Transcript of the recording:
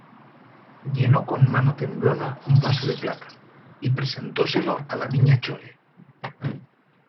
llenó con mano temblona un vaso de plata, y presentóselo a la Niña Chole